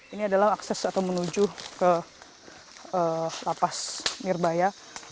ini adalah akses atau menuju ke lapas mirbaya